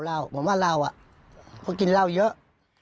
เล่าผมว่าเล่าเขากินเหล้าเยอะ